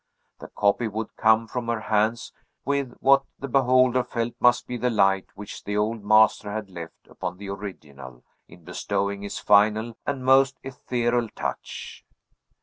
The copy would come from her hands with what the beholder felt must be the light which the old master had left upon the original in bestowing his final and most ethereal touch.